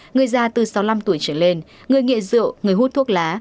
người già từ sáu mươi năm tuổi trở lên người nghiện rượu người hút thuốc lá